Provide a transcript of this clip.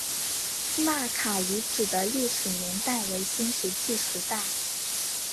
纳卡遗址的历史年代为新石器时代。